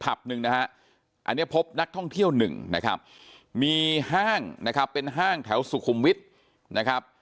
หนึ่งนะฮะอันนี้พบนักท่องเที่ยวหนึ่งนะครับมีห้างนะครับเป็นห้างแถวสุขุมวิทย์นะครับ